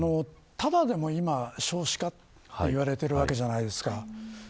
ただ少子化と言われてるわけじゃないですか。